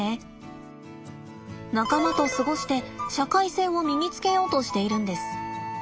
仲間と過ごして社会性を身につけようとしているんです。